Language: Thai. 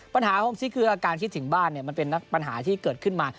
ปัญหาโฮมซิเกลือการคิดถึงบ้านมันเป็นปัญหาที่เกิดขึ้นมา